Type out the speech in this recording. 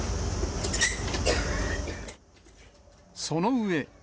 その上。